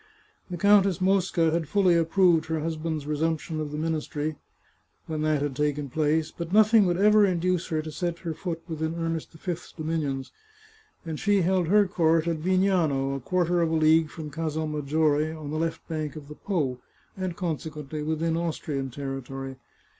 The Countess Mosca had fully approved her husband's reassumption of the ministry, when that had taken place, but nothing would ever induce her to set her foot within Ernest V's dominions ; and she held her court at Vigtiano, a quarter of a league from Casal Maggiore, on the left bank of the Po, and consequently within Austrian territory.